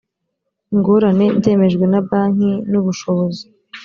ingorane byemejwe na banki n ubushobozi